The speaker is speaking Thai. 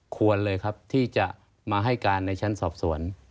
ควรเลยครับที่จะมาให้การในชั้นสอบสวน